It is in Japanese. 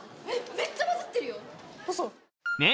めっちゃバズってるよ。